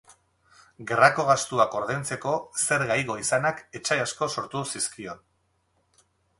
Gerrako gastuak ordaintzeko zergak igo izanak etsai asko sortu zizkion.